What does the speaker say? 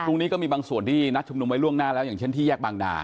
พรุ่งนี้ก็มีบางส่วนที่นัดชุมนุมไว้ล่วงหน้าแล้วอย่างเช่นที่แยกบางนา